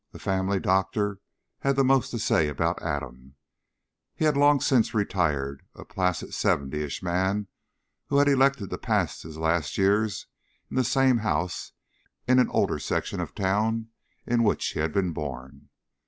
The family doctor had the most to say about Adam. He had long since retired, a placid seventyish man who had elected to pass his last years in the same house, in an older section of the town, in which he'd been born.